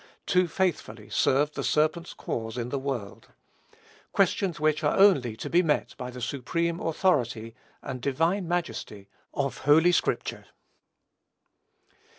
too faithfully served the serpent's cause in the world, questions which are only to be met by the supreme authority and divine majesty of Holy Scripture.